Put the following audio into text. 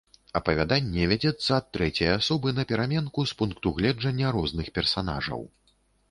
Апавяданне вядзецца ад трэцяй асобы, напераменку з пункту гледжання розных персанажаў.